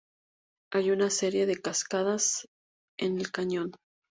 Hay una serie de cascadas en el cañón.